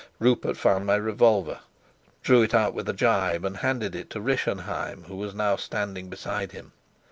Rupert found my revolver, drew it out with a gibe, and handed it to Rischenheim, who was now standing beside him.